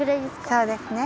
そうですね。